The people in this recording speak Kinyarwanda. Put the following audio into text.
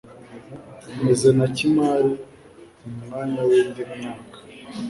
bmeze na kimari mu mwanya w'indi myaka